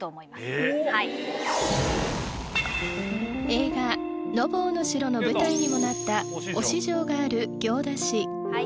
映画「のぼうの城」の舞台にもなった忍城がある行田市。